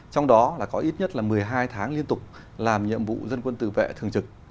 trong đó là có ít nhất là một mươi hai tháng liên tục làm nhiệm vụ dân quân tự vệ thường trực